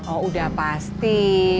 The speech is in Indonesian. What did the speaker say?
oh udah pasti